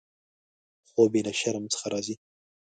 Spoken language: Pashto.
خوب یې له شرم څخه راځي.